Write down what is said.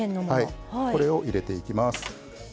これを入れていきます。